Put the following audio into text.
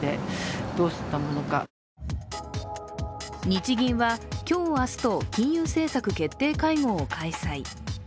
日銀は今日明日と金融政策決定会合を開催。